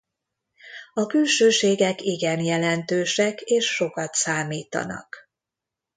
A külsőségek igen jelentősek és sokat számítanak.